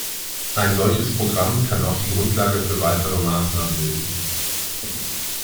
Ein solches Programm kann auch die Grundlage für weitere Maßnahmen bilden.